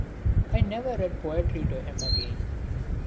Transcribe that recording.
I never read poetry to him again.